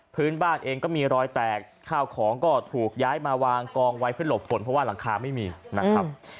พื้นบ้านเองก็มีรอยแตกข้าวของก็ถูกย้ายมาวางกองไว้เพื่อหลบฝนเพราะว่าหลังคาไม่มีนะครับ